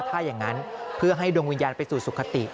ถ้าอย่างนั้นเพื่อให้ดวงวิญญาณไปสู่สุขติ